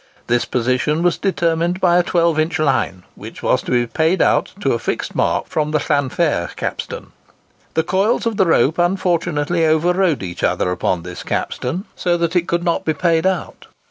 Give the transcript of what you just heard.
This position was determined by a 12 inch line, which was to be paid out to a fixed mark from the Llanfair capstan. The coils of the rope unfortunately over rode each other upon this capstan, so that it could not be paid out.